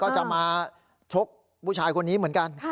จะมาชกผู้ชายคนนี้เหมือนกัน